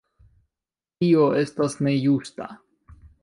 Tio estas nejusta.